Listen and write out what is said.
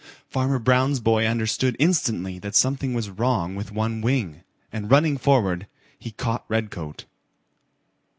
Farmer Brown's boy understood instantly that something was wrong with one wing, and running forward, he caught Redcoat.